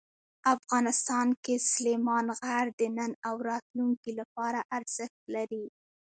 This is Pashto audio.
افغانستان کې سلیمان غر د نن او راتلونکي لپاره ارزښت لري.